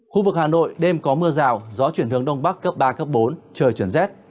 khu vực hà nội đêm có mưa rào gió chuyển hướng đông bắc cấp ba cấp bốn trời chuyển rét